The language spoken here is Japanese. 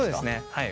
はい。